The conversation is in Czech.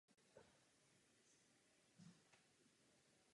Nejprve v Radě, která dosud nerozhodla.